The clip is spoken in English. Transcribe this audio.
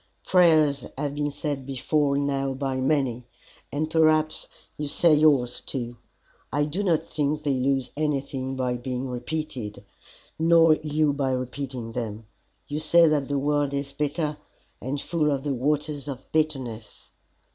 Prayers have been said before now by many, and perhaps you say yours, too. I do not think they lose anything by being repeated, nor you by repeating them. You say that the world is bitter, and full of the Waters of Bitterness.